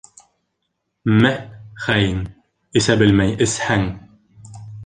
- Мә, хаин, эсә белмәй эсһәң!